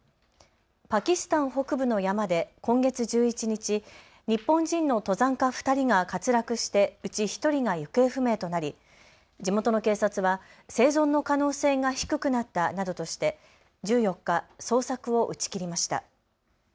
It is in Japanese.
パキスタン北部の山で今月１１日、日本人の登山家２人が滑落してうち１人が行方不明となり地元の警察は生存の可能性が低くなったなどとして１４日、捜索を打ち切りました。